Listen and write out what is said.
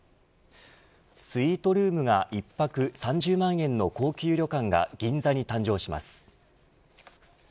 スイートルームが１泊３０万円の高級旅館が銀座に誕生します。